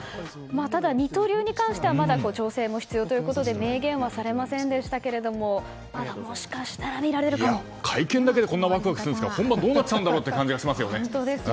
ただ、二刀流に関しては調整も必要ということで名言はされませんでしたけどももしかしたら会見だけでこんなにワクワクするんだったら本番どうなっちゃうんだろうという感じがしますね。